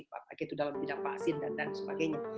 begitu dalam bidang vaksin dan sebagainya